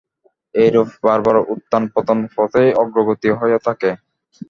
এইরূপে বারবার উত্থান-পতন পথেই অগ্রগতি হইয়া থাকে।